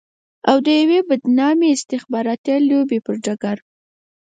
او د يوې بدنامې استخباراتي لوبې پر ډګر.